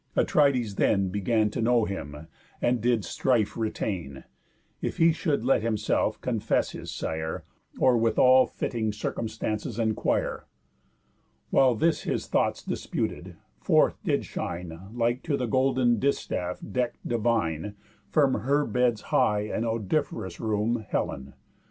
Atrides then Began to know him, and did strife retain, If he should let himself confess his sire, Or with all fitting circumstance enquire. While this his thoughts disputed, forth did shine, Like to the golden distaff deck'd Divine, From her bed's high and odoriferous room, Helen.